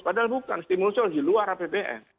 padahal bukan stimulusnya harus di luar apbn